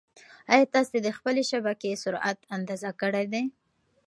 ایا تاسي د خپلې شبکې سرعت اندازه کړی دی؟